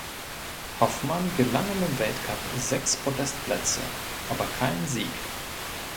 Hoffmann gelangen im Weltcup sechs Podestplätze, aber kein Sieg.